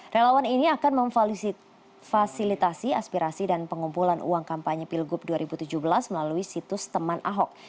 relawan ini akan memfasilitasi aspirasi dan pengumpulan uang kampanye pilgub dua ribu tujuh belas melalui situs teman ahok